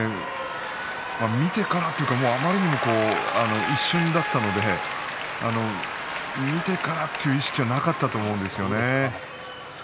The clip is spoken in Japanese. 見てからというかあまりにも一瞬だったので見てからという意識はなかったと思うんですよね。